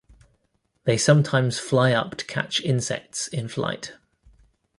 They sometimes fly up to catch insects in flight.